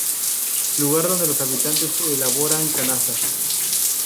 Lugar donde los habitantes elaboran canastas.